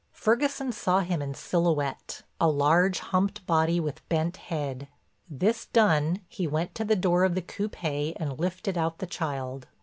Ferguson saw him in silhouette, a large, humped body with bent head. This done, he went to the door of the coupé and lifted out the child.